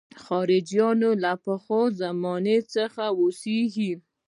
خلجیان له پخوا زمانې څخه اوسېږي.